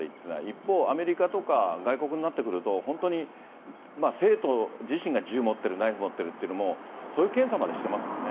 一方、アメリカとか外国になってくると、本当に生徒自身が銃を持ってる、ナイフを持ってるというのも、そういう検査までしてますもんね。